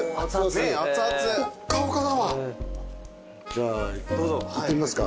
じゃあいってみますか？